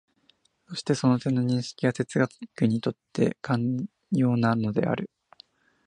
そしてその点の認識が哲学にとって肝要なのである。